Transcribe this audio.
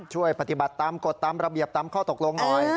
ช่วยปฏิบัติตามกฎตามระเบียบตามข้อตกลงหน่อย